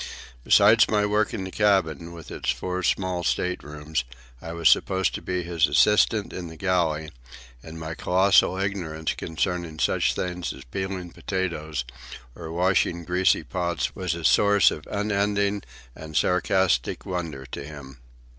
Besides my work in the cabin, with its four small state rooms, I was supposed to be his assistant in the galley, and my colossal ignorance concerning such things as peeling potatoes or washing greasy pots was a source of unending and sarcastic wonder to him.